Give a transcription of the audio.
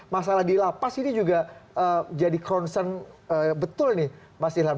masalah di lapas ini juga jadi concern betul nih mas ilham